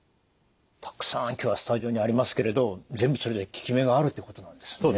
たくさん今日はスタジオにありますけれど全部それぞれ効き目があるということなんですね。